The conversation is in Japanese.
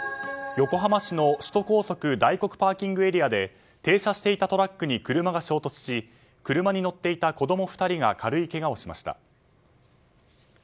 横浜市の首都高速大黒ＰＡで停車していたトラックに車が衝突し車に乗っていた子供２人が軽いけがをしました。